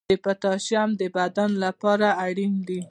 د پوتاشیم د بدن لپاره اړین دی.